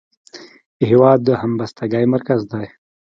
هېواد د همبستګۍ مرکز دی.